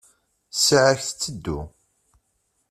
Ssaɛa-k tteddu.